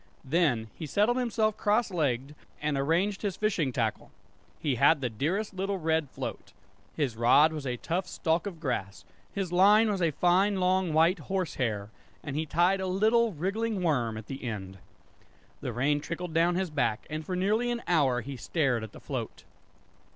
Then he settled himself cross legged and arranged his fishing tackle. He had the dearest little red float. His rod was a tough stalk of grass, his line was a fine long white horse hair, and he tied a little wriggling worm at the end. The rain trickled down his back, and for nearly an hour he stared at the float.